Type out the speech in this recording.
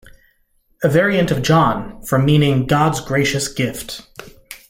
A variant of Jon from meaning "God's gracious gift".